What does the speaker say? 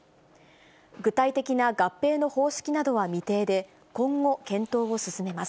具体的な合併の方式などは未定で、今後、検討を進めます。